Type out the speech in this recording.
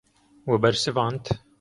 We bersivand.